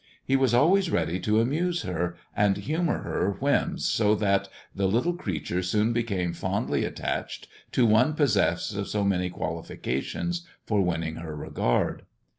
He was always ready to amuse her, and THE dwarf's chamber 117 humour her whims, so that the little creature soon became fondly attached to one possessed of so many qualifications for winning her regard.